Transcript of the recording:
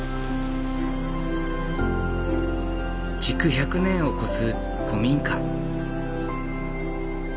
築１００年を超す古民家。